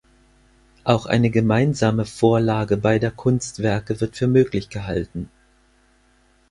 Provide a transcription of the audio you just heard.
Auch eine gemeinsame Vorlage beider Kunstwerke wird für möglich gehalten.